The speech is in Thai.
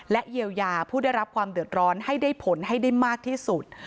เยียวยาผู้ได้รับความเดือดร้อนให้ได้ผลให้ได้มากที่สุด